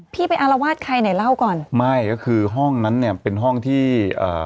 ไปอารวาสใครไหนเล่าก่อนไม่ก็คือห้องนั้นเนี่ยเป็นห้องที่เอ่อ